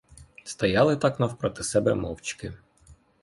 Стояли так напроти себе мовчки.